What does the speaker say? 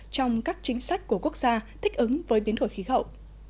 trong các chính sách của quốc gia thích ứng với biến đổi khí hậu